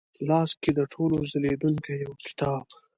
لاس کې د ټولو ځلېدونکې یوکتاب،